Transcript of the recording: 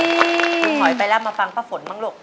คุณหอยไปแล้วมาฟังป้าฝนบ้างลูก